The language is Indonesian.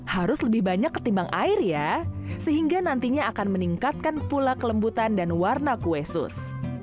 harus lebih banyak ketimbang air ya sehingga nantinya akan meningkatkan pula kelembutan dan warna kue sus